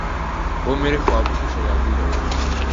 وہ میرے خوابوں کی شہزادی ہے۔